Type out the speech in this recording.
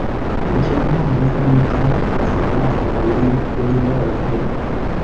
Ĝenerale oni traktas la lagojn unuope.